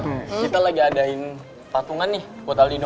kita lagi adain patungan nih buat el dino